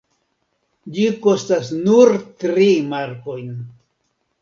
Ĝi kostas nur tri markojn.